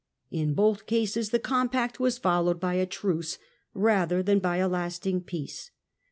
In both cases the compact was followed by a truce rather than by a lasting peace.